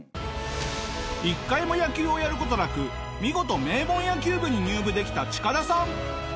一回も野球をやる事なく見事名門野球部に入部できたチカダさん。